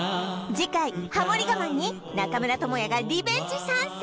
次回ハモリ我慢に中村倫也がリベンジ参戦